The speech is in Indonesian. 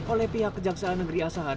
oleh pihak kejaksaan negeri asahan